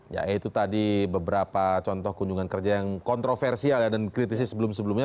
ya itu tadi beberapa contoh kunjungan kerja yang kontroversial ya dan dikritisi sebelum sebelumnya